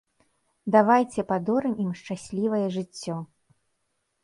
Давайце падорым ім шчаслівае жыццё!